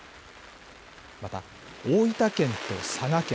また、大分県と佐賀県